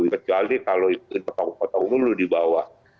kecuali kalau itu potong potong dulu dibawah